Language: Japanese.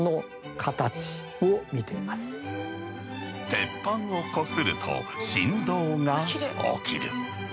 鉄板をこすると振動が起きる。